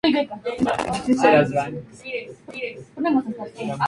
Incluía una chaqueta gris holgada y un pantalón de algodón gris.